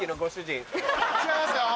違いますよ！